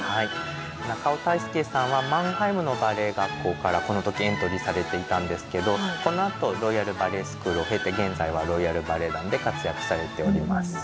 中尾太亮さんはマンハイムのバレエ学校からこの時エントリーされていたんですけどこのあとロイヤル・バレエスクールを経て現在はロイヤル・バレエ団で活躍されております。